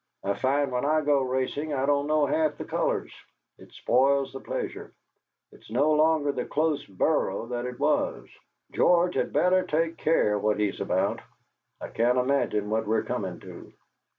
I find when I go racing I don't know half the colours. It spoils the pleasure. It's no longer the close borough that it was. George had better take care what he's about. I can't imagine what we're coming to!"